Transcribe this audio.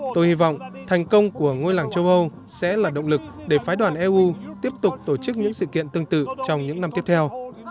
tôi hy vọng thành công của ngôi làng châu âu sẽ là động lực để phái đoàn eu tiếp tục tổ chức những sự kiện tương tự trong những năm tiếp theo